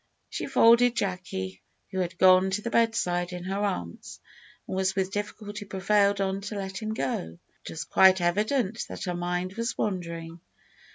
She folded Jacky, who had gone to the bedside, in her arms, and was with difficulty prevailed on to let him go. It was quite evident that her mind was wandering.